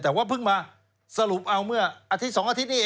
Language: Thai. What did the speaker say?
แต่ว่าเพิ่งมาสรุปเอาเมื่ออาทิตย์๒อาทิตย์นี้เอง